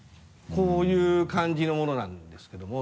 こういう感じのものなんですけども。